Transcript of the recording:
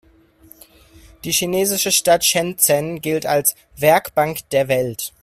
Die chinesische Stadt Shenzhen gilt als „Werkbank der Welt“.